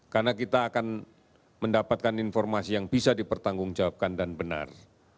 karena kita akan mendapatkan informasi yang bisa dipertanggungjawabkan dan benar